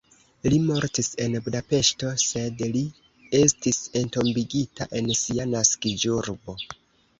Li mortis en Budapeŝto sed li estis entombigita en sia naskiĝurbo.